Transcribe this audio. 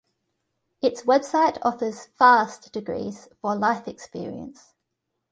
Its website offers "fast" degrees for "life experience".